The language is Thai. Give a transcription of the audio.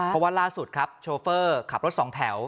เพราะว่าล่าสุดครับโชเฟอร์ขับรถสองแถว